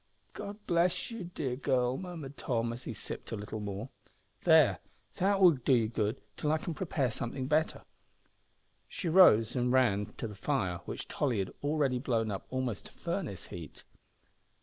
"God bless you, dear girl!" murmured Tom, as he sipped a little more. "There, that will do you good till I can prepare something better." She rose and ran to the fire which Tolly had already blown up almost to furnace heat.